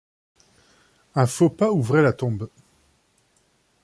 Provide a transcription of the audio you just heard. Un faux pas ouvrait la tombe.